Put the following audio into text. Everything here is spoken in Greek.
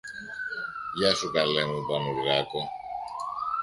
Γεια σου, καλέ μου Πανουργάκο!